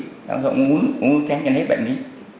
tại sao ông uống nước thắng cho nên hết bệnh đi